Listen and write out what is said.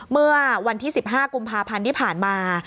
เมื่อวันที่๑๕กุมภาพันธ์ที่ผ่านมา